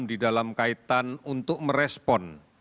di dalam kaitan untuk merespon